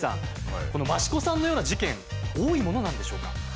この益子さんのような事件多いものなんでしょうか？